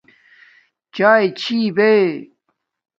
چایݵے چھی یے